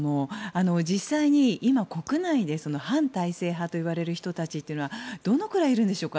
実際に今、国内で反体制派と言われる人たちはどのくらいいるんでしょうか？